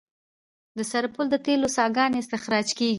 د سرپل د تیلو څاګانې استخراج کیږي